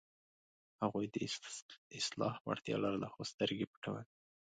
هغوی د اصلاح وړتیا لرله، خو سترګې یې پټولې.